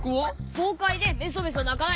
ごうかいでメソメソなかない！